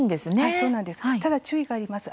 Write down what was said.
ただ、注意があります。